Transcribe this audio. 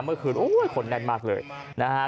เมื่อคืนโอ้ยคนแน่นมากเลยนะฮะ